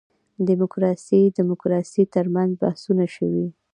دیموکراسي دیموکراسي تر منځ بحثونه شوي.